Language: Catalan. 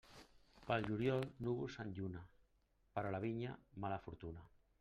Pel juliol, núvols amb lluna, per a la vinya mala fortuna.